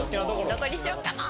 どこにしようかな？